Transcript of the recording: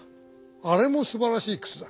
あれもすばらしいくつだ。